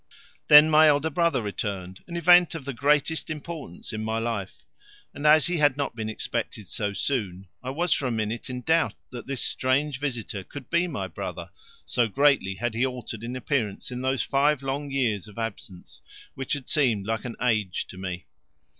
Then my elder brother returned, an event of the greatest importance in my life; and as he had not been expected so soon, I was for a minute in doubt that this strange visitor could be my brother, so greatly had he altered in appearance in those five long years of absence, which had seemed like an age to me.